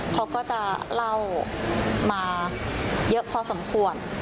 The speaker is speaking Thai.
เขาก็จะเล่ามาเยอะพอสมควร